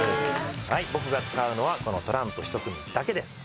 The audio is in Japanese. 僕が使うのはこのトランプ一組だけ。